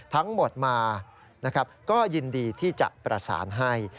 ทั้งหมดมานะครับก็ยินดีที่จะประสานให้